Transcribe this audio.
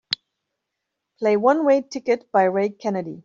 Play One Way Ticket by Ray Kennedy.